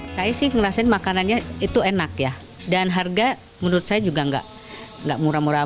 saya sih ngerasain makanannya itu enak ya dan harga menurut saya juga enggak enggak murah murah